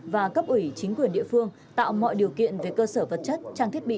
và cấp ủy chính quyền địa phương tạo mọi điều kiện về cơ sở vật chất trang thiết bị